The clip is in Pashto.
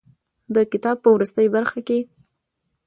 د کتاب په وروستۍ برخه کې.